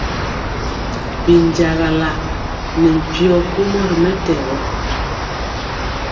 Binjagala ne mpyo kumɔ ri mɛtɛgɔ.